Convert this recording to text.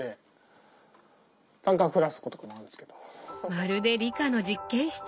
まるで理科の実験室。